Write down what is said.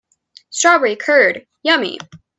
Strawberry curd, yummy!